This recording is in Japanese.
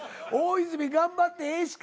大泉頑張ってええ